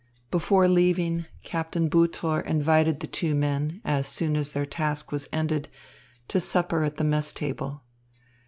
Before leaving, Captain Butor invited the two men, as soon as their task was ended, to supper at the mess table.